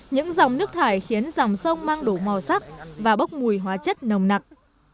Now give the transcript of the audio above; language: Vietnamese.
những dòng nước thải khiến dòng sông mang đủ màu sắc và bốc mùi hóa chất nồng nặc